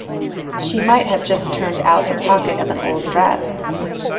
She might have just turned out the pocket of an old dress.